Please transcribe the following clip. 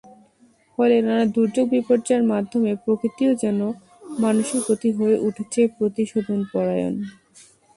ফলে নানা দুর্যোগ বিপর্যয়ের মাধ্যমে প্রকৃতিও যেন মানুষের প্রতি হয়ে উঠেছে প্রতিশোধপরায়ন।